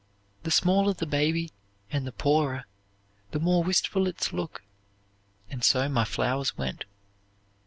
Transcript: The smaller the baby, and the poorer, the more wistful its look, and so my flowers went.